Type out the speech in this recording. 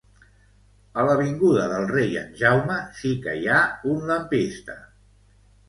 A l'avinguda del Rei en Jaume sí que hi ha un lampista